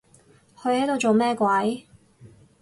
佢喺度做乜鬼？